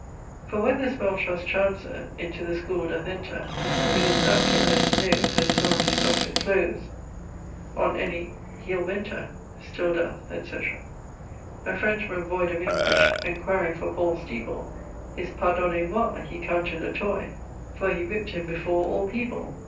For when this well truss't trounser Into the school doth enter With his napkin at his nose And his orange stuft with cloves On any ... he'l venter. Still doth, etc. A French man voyd of English Enquiring for Paul's steeple His Pardonnez moy He counted a toy, For he whip't him before all people.